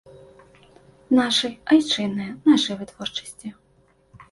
Нашы, айчынныя, нашай вытворчасці.